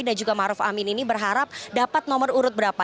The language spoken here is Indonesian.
dan juga maruf amin ini berharap dapat nomor urut berapa